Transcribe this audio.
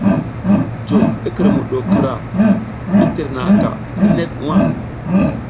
Jo i kǝrmuɗo krah i tǝrnaʼaka kǝrnek nwa.